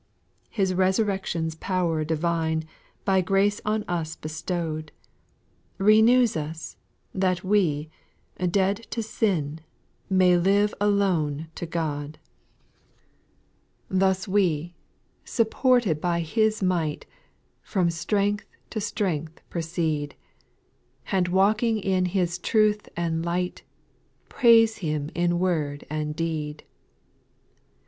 6. His resurrection's power divine, By grace on us bestowed^ 180 SPIRITUAL SONGS, Renews us, that we, dead to sin, May live alone to God. Thus we, supported by His might, From strength to strength proceed, And walking in Ilis truth and light ; Praise Ilim in word and deed.